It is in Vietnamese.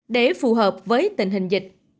để phù hợp với tình hình dịch